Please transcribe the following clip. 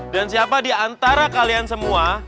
dan siapa di antara kalian semua